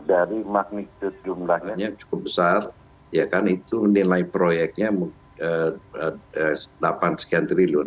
dari magnitude jumlahnya yang cukup besar ya kan itu nilai proyeknya delapan sekian triliun